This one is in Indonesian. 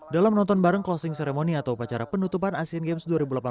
dalam nonton bareng closing ceremony atau upacara penutupan asian games dua ribu delapan belas